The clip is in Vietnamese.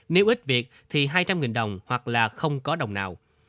nếu ít việc thì hai trăm linh đồng hoặc là không có đồng nào